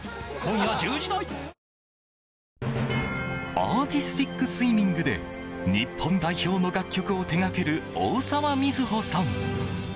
アーティスティックスイミングで日本代表の楽曲を手掛ける大沢みずほさん。